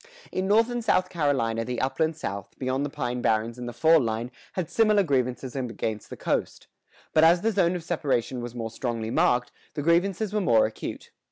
In North and South Carolina the upland South, beyond the pine barrens and the fall line, had similar grievances against the coast; but as the zone of separation was more strongly marked, the grievances were more acute.